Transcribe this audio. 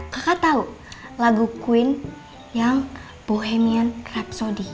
kakak tahu lagu queen yang bohemian rhapsody